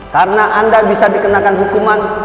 karena anda bisa dikenakan hukuman